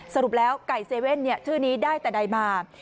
สรุปแล้วไก่เซเว่นชื่อนี้ได้แต่ใดมา